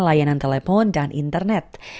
layanan telepon dan internet